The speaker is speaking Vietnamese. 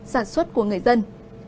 sản xuất của người dân